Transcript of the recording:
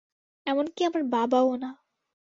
এমনকি আমার বাবা ও না।